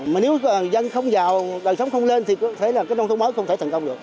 mà nếu dân không giàu đời sống không lên thì thế là cái nông thôn mới không thể thành công được